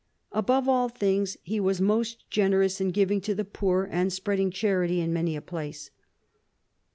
Above all things he was most generous in giving to the poor and spreading charity in many a place."